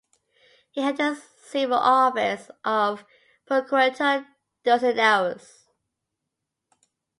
He held the civil office of Procurator ducenarius.